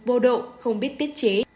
bô độ không biết tiết chế